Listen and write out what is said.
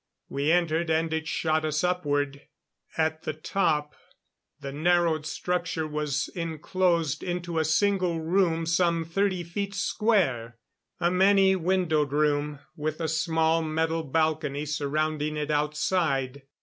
We entered, and it shot us upward. At the top, the narrowed structure was enclosed into a single room some thirty feet square. A many windowed room, with a small metal balcony surrounding it outside.